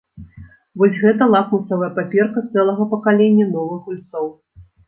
Вось гэта лакмусавая паперка цэлага пакалення новых гульцоў.